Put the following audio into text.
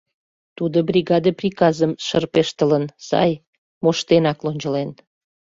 Тудо бригаде приказым шырпештылын сай, моштенак лончылен.